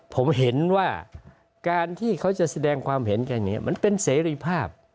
ผมเห็นว่าการที่เขาจะแสดงความเห็นกันเนี่ยมันเป็นเสรีภาพ